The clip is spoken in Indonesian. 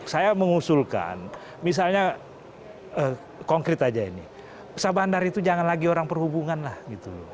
saya mengusulkan misalnya konkret aja ini sabandar itu jangan lagi orang perhubungan lah gitu loh